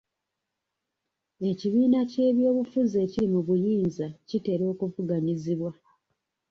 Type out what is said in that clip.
Ekibiina ky'ebyobufuzi ekiri mu buyinza kitera okuvuganyizibwa.